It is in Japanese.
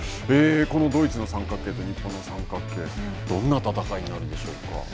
このドイツの三角形と日本の三角形、どんな戦いになるでしょうか。